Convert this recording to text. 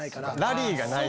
ラリーがない。